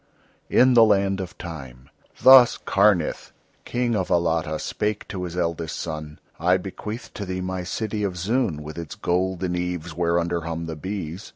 IN THE LAND OF TIME Thus Karnith, King of Alatta, spake to his eldest son: "I bequeath to thee my city of Zoon, with its golden eaves, whereunder hum the bees.